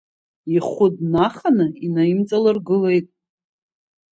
Ихәы днаханы инаимҵалыргылеит.